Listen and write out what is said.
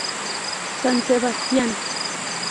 San Sebastián